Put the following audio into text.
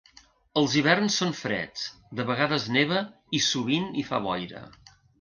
Els hiverns són freds, de vegades neva i sovint hi fa boira.